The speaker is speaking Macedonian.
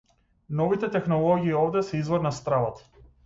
Новите технологии овде се извор на стравот.